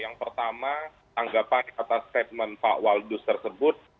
yang pertama tanggapan atas statement pak waldus tersebut